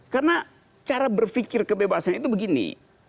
karena cara berpikir kebebasan itu begini